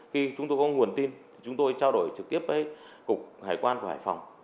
khi chúng tôi có nguồn tin chúng tôi trao đổi trực tiếp với cục hải quan của hải phòng